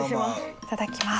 いただきます。